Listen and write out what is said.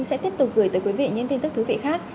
sẽ tiếp tục gửi tới quý vị những tin tức thú vị khác